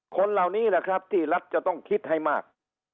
คนเหล่านี้แหละครับที่รัฐจะต้องคิดให้มาก